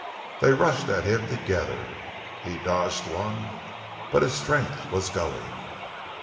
They rushed at him together. He dodged one, but his strength was going.